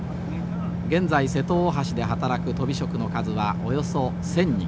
現在瀬戸大橋で働くとび職の数はおよそ１，０００人。